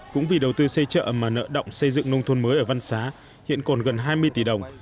cũng vì đầu tư xây chợ mà nợ động xây dựng nông thôn mới ở văn xá hiện còn gần hai mươi tỷ đồng